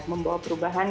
membawa perubahan ya